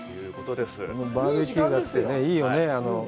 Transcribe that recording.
バーベキューだっていいよね。